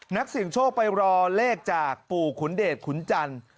นักเสี่ยงโชคไปรอเลขจากปู่ขุนเดชขุนจันทร์